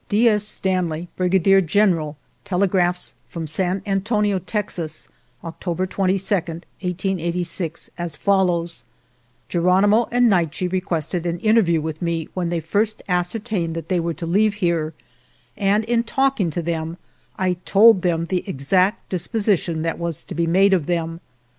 D. S. Stanley, Brigadier General, tele graphs from San Antonio, Texas, October 22, 1886, as follows: <( Geronimo and Naiche re 155 GERONIMO quested an interview with me when they first ascertained that they were to leave here, and in talking to them, I told them the exact disposition that was to be made of them.